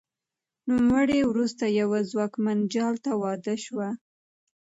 نوموړې وروسته یوه ځواکمن جال ته واده شوه